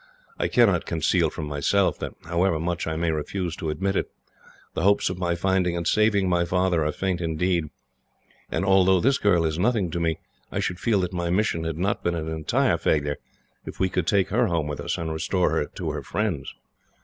I cannot conceal from myself that, however much I may refuse to admit it, the hopes of my finding and saving my father are faint indeed; and although this girl is nothing to me, I should feel that my mission had not been an entire failure, if we could take her home with us and restore her to her friends.